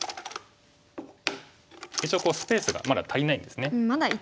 一応スペースがまだ足りないんですね。